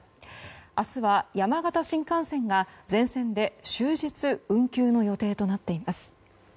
明日は山形新幹線が、全線で終日運休の予定となっています。